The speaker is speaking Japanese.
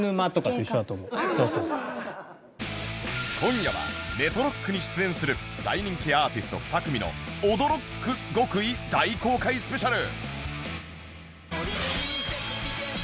今夜はメトロックに出演する大人気アーティスト２組の驚ック極意大公開スペシャル！